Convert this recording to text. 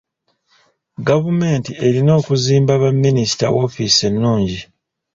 Gavumenti erina okuzimba baminisita woofiisi ennungi.